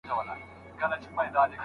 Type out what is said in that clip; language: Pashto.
د اسلامي حدودو ساتنه وکړئ.